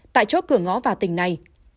tại chỗ cửa ngõ vào tỉnh này